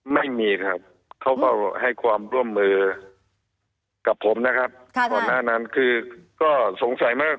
ไม่มีครับเขาก็ให้ความร่วมมือกับผมนะครับก่อนหน้านั้นคือก็สงสัยมาก